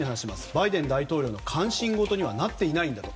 バイデン大統領の関心ごとにはなっていないと。